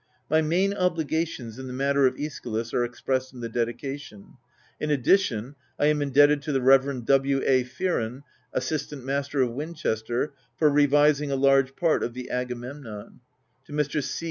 My main obligations, in the matter of iEschylus, are expressed in the dedication : in addition, I am indebted to the Rev. W. A. Fearon, Assistant Master of Winchester, for revising a large part of the Agamemnon; to Mr. C.